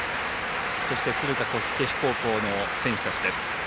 そして敦賀気比高校の選手たちです。